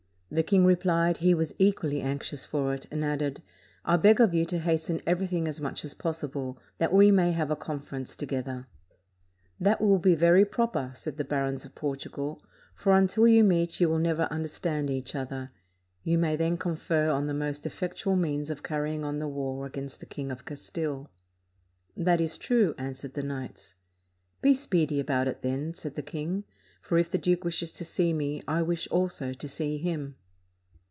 The king replied, he was equally anxious for it, and added, "I beg of you to hasten everything as much as possible, that we may have a conference together." "That will be very 571 PORTUGAL proper," said the barons of Portugal; "for until you meet, you will never understand each other. You may then confer on the most effectual means of carrying on the war against the King of Castile." "That is true," answered the knights. "Be speedy about it, then," said the king, "for if the duke wishes to see me I wish also to see him."